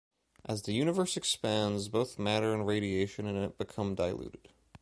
As the universe expands, both matter and radiation in it become diluted.